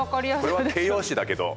これは形容詞だけど。